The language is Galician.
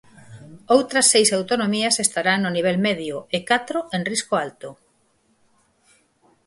Outras seis autonomías estarán no nivel medio, e catro en risco alto.